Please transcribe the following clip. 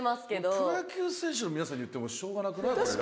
プロ野球選手の皆さんに言ってもしょうがなくないですか？